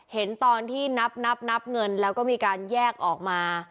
เห็นตอนที่นับนับเงินแล้วก็มีการแยกออกมา